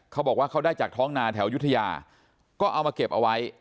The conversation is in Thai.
เขาบอกว่าเขาได้จากท้องนาแถวยุธยาก็เอามาเก็บเอาไว้